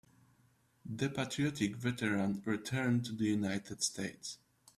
The patriotic veteran returned to the United States.